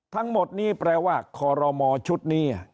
ทั้งหมดนี้แปลว่าคอรมอชุดนี้